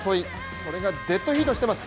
それがデッドヒートしています。